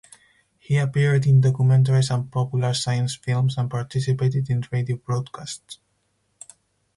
He appeared in documentaries and popular science films and participated in radio broadcasts.